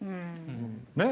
ねっ？